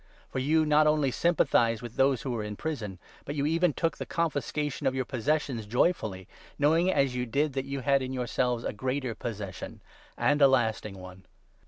For you not only sympathised with 34 those who were in prison, but you even took the confiscation of your possessions joyfully, knowing, as you did, that you had in yourselves a greater possession and a lasting one.